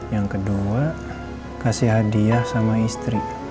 yang kedua kasih hadiah sama istri